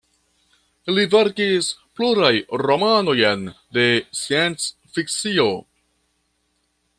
Li verkis pluraj romanojn de sciencfikcio.